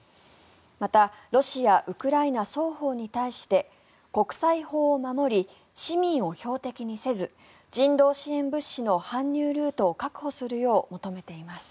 また、ロシア、ウクライナ双方に対して国際法を守り市民を標的にせず人道支援物資の搬入ルートを確保するよう求めています。